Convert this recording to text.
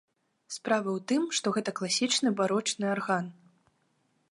Справа ў тым, што гэта класічны барочны арган.